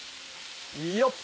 よっ。